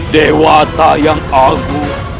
dewata yang agung